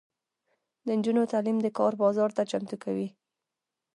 د نجونو تعلیم د کار بازار ته چمتو کوي.